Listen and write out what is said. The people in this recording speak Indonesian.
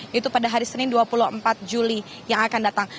yaitu pada hari senin dua puluh empat juli yang akan datang